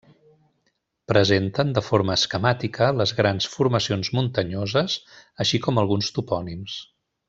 Presenten de forma esquemàtica les grans formacions muntanyoses així com alguns topònims.